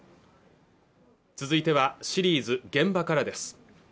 続いてはシリーズ「現場から」です